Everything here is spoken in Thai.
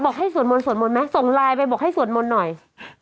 ให้สวดมนต์สวดมนต์ไหมส่งไลน์ไปบอกให้สวดมนต์หน่อย